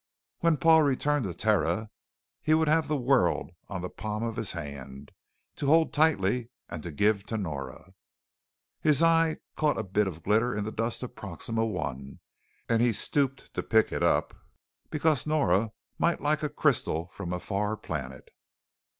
When Paul returned to Terra he would have the world on the palm of his hand to hold tightly and give to Nora. His eye caught a bit of glitter in the dust of Proxima I and he stooped to pick it up because Nora might like a crystal from a far planet.